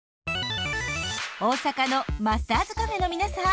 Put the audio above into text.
大阪のマスターズＣａｆｅの皆さん